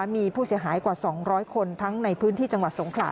มีผู้เสียหายกว่า๒๐๐คนทั้งในพื้นที่จังหวัดสงขลา